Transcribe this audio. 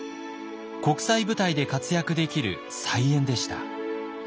国際舞台で活躍できる才媛でした。